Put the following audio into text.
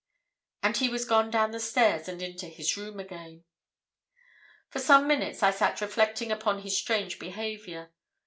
"And he was gone down the stairs and into his room again. "For some minutes I sat reflecting upon his strange behaviour.